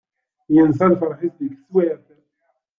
Yensa lferḥ-is deg teswiεt.